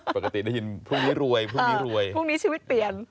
ปกติได้ยินพรุ่งนี้รวยพรุ่งนี้ชีวิตเปลี่ยน